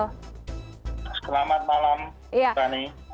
selamat malam rani